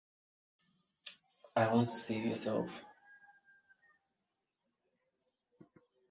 I want you to save yourself.